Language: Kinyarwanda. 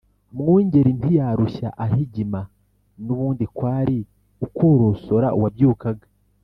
Mwungeli ntiyarushya ahigima N' ubundi kwari ukworosora uwabyukaga